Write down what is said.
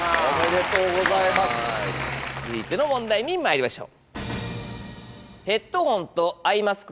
続いての問題にまいりましょう。